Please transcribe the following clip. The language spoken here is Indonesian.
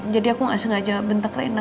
jadi aku gak sengaja bentak rena